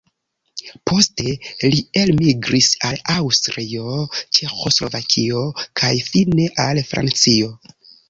Poste li elmigris al Aŭstrio, Ĉeĥoslovakio kaj fine al Francio.